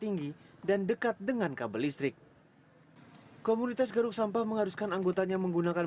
tinggi dan dekat dengan kabel listrik komunitas garuk sampah mengharuskan anggotanya menggunakan